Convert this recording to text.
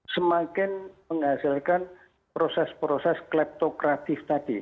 semakin menghasilkan proses proses kleptokratif tadi